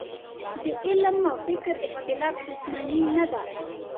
د علم او فکر اختلاف دوښمني نه ده.